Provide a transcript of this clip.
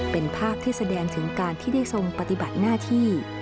เป็นภาพที่แสดงถึงการที่ได้ทรงปฏิบัติหน้าที่